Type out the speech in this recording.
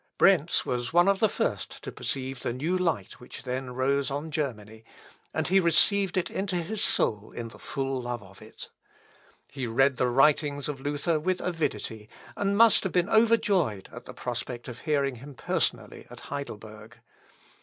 Brentz was one of the first to perceive the new light which then rose on Germany, and he received it into his soul in the full love of it. He read the writings of Luther with avidity, and must have been overjoyed at the prospect of hearing him personally at Heidelberg.